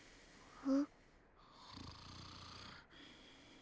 あ。